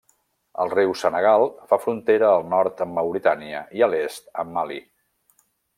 El riu Senegal fa frontera al nord amb Mauritània i a l'est amb Mali.